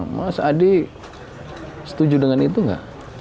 mas adi setuju dengan itu nggak